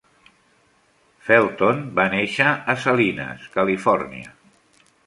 Felton va néixer a Salinas, Califòrnia.